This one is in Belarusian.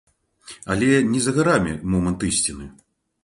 Але не за гарамі момант ісціны.